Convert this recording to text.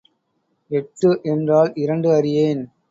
எட்டு என்றால் இரண்டு அறியேன்.